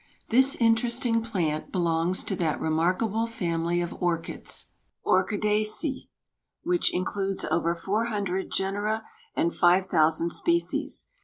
This interesting plant belongs to that remarkable family of orchids (Orchidaceæ) which includes over four hundred genera and five thousand species.